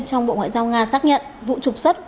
trong bộ ngoại giao nga xác nhận vụ trục xuất